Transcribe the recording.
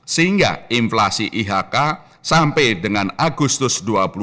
sehingga inflasi ihk sampai dengan agustus dua ribu dua puluh